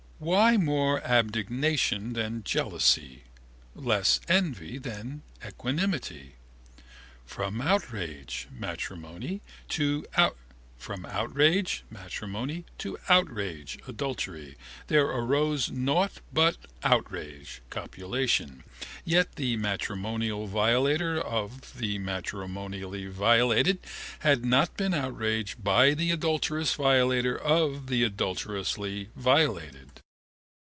Why more abnegation than jealousy, less envy than equanimity? From outrage (matrimony) to outrage (adultery) there arose nought but outrage (copulation) yet the matrimonial violator of the matrimonially violated had not been outraged by the adulterous violator of the adulterously violated.